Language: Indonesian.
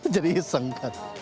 jadi iseng kan